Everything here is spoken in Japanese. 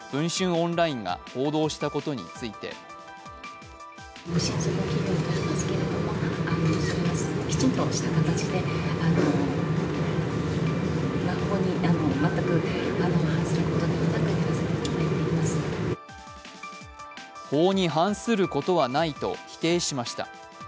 オンラインが報道したことについて法に反することはないと否定しました。